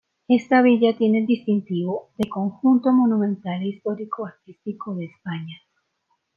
Esta Villa tiene el distintivo de "Conjunto Monumental e Histórico Artístico de España".